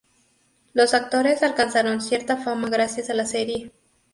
Los actores alcanzaron cierta fama gracias a la serie.